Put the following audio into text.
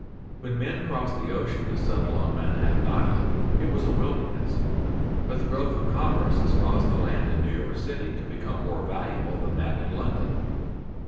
When men crossed the ocean to settle on Manhattan Island, it was a wilderness; but the growth of commerce has caused the land in New York city to become more valuable than that in London.